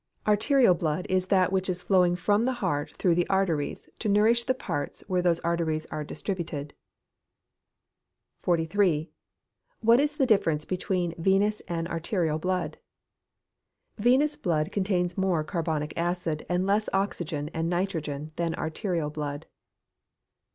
_ Arterial blood is that which is flowing from the heart through the arteries to nourish the parts where those arteries are distributed. 43. What is the difference between venous and arterial blood? Venous blood contains more carbonic acid, and less oxygen and nitrogen than arterial blood.